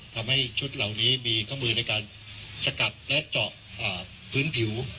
ทำให้ชุดเหล่านี้มีข้อมือในการสกัดและเจาะพื้นผิว